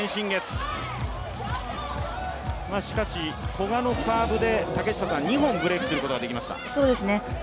しかし、古賀のサーブで、２本ブレイクすることができました。